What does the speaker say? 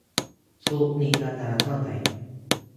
ชุดนี้ราคาเท่าไหร่